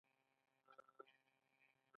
خو دلته بيا بل غم و.